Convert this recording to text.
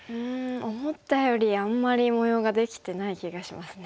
思ったよりあんまり模様ができてない気がしますね。